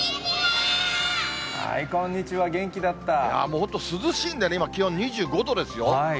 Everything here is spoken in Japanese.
こんにちは、涼しいんでね、今、気温２５度ですよ。